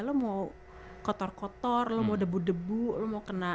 lu mau kotor kotor lu mau debu debu lu mau kena kenalpot kenalpot